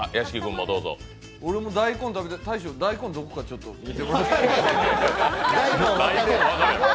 俺も大根食べて、大将、大根どこか見てもらえますか？